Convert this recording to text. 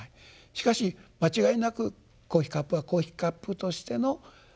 しかし間違いなくコーヒーカップはコーヒーカップとしての働き。